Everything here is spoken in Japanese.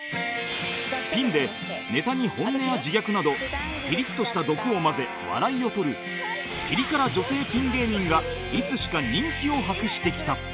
ピンでネタに本音や自虐などピリッとした毒を混ぜ笑いを取るピリ辛女性ピン芸人がいつしか人気を博してきた